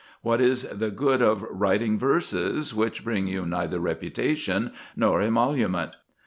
What is the good of writing verses which bring you neither reputation nor emolument?